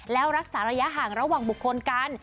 แล้วรักษาระยะห่างระหว่างบุคคลกัน